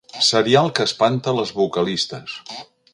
Serial que espanta les vocalistes.